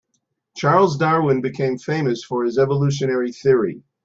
Charles Darwin became famous for his evolutionary theory.